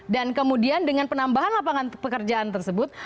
dan kemudian dengan penambahan lapangan pekerjaan tersebut